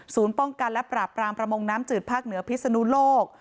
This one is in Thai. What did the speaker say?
ป้องกันและปราบปรามประมงน้ำจืดภาคเหนือพิศนุโลก